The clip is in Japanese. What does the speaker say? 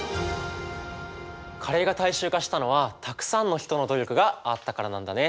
カレーが大衆化したのはたくさんの人の努力があったからなんだね。